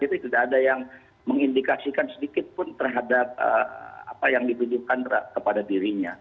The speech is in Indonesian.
jadi tidak ada yang mengindikasikan sedikit pun terhadap apa yang dibunuhkan kepada dirinya